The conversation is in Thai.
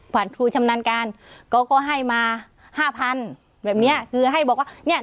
ครูชำนาญการเขาก็ให้มาห้าพันแบบเนี้ยคือให้บอกว่าเนี้ย